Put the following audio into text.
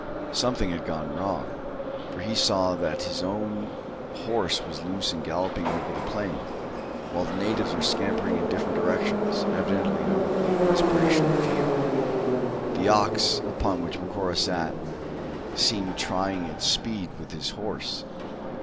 Something had gone wrong; for he saw that his own horse was loose and galloping over the plain, while the natives were scampering in different directions, evidently under the inspiration of fear. The ox upon which Macora sat seemed trying its speed with his horse.